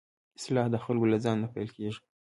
اصلاح د خلکو له ځان نه پيل کېږي.